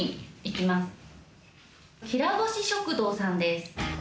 きらぼし食堂さんです。